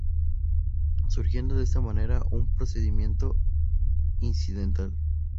Surgiendo de esta manera un procedimiento incidental.